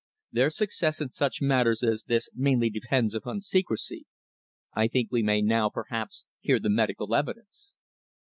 Their success in such matters as this mainly depends upon secrecy. I think we may now, perhaps, hear the medical evidence."